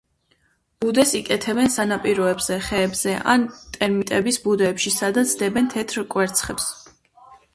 ბუდეს იკეთებენ სანაპიროებზე, ხეებზე ან ტერმიტების ბუდეებში, სადაც დებენ თეთრ კვერცხებს.